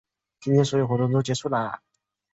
今年所有的活动都结束啦